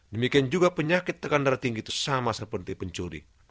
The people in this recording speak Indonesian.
demikian juga penyakit tekanan tinggi itu sama seperti pencuri